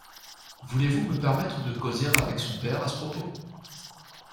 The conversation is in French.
Voulez-vous me permettre de causer avec son père à ce propos?